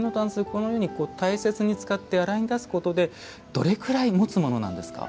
このように大切に使って洗いに出すことでどれくらいもつものなんですか。